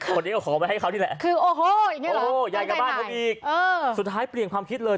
คนนี้ก็ขอไปให้เขานี่แหละคือโอ้โหใหญ่กว่าบ้านผมอีกสุดท้ายเปลี่ยนความคิดเลย